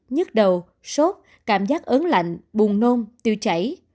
nhức đầu sốt cảm giác ớn lạnh buồn nôn tiêu chảy